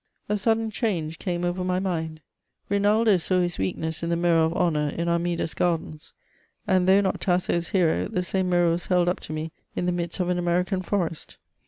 A sudden change came over my mind. Binaldo saw his weak ness in the mirror of honour in Armida's gardens ; and, though not Tasso's hero, the same mirror was held up to me in the midst of an American forest.